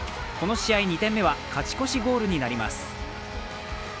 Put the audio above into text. この試合２点目は勝ち越しゴールになります。